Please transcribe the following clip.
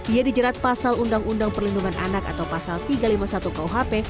ia dijerat pasal undang undang perlindungan anak atau pasal tiga ratus lima puluh satu kuhp